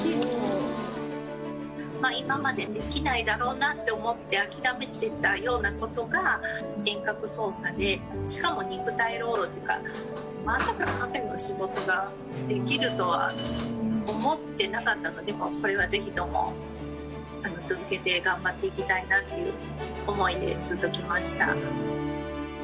今まで、できないだろうなと思って諦めていたようなことが、遠隔操作で、しかも肉体労働っていうか、まさかカフェの仕事ができるとは思ってなかったので、これは、ぜひとも続けて頑張っていきたいなという思いでずっときました。